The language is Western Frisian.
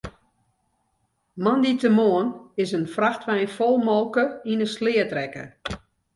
Moandeitemoarn is in frachtwein fol molke yn 'e sleat rekke.